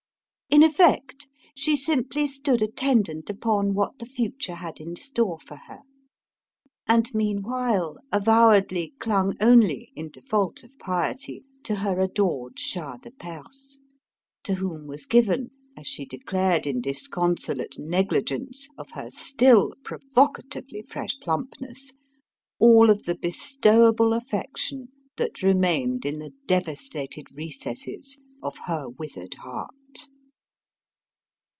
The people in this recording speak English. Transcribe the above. In effect, she simply stood attendant upon what the future had in store for her: and meanwhile avowedly clung only, in default of piety, to her adored Shah de Perse to whom was given, as she declared in disconsolate negligence of her still provocatively fresh plumpness, all of the bestowable affection that remained in the devastated recesses of her withered heart.